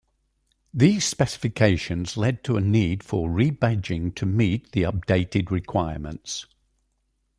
These specifications led to a need for rebadging to meet the updated requirements.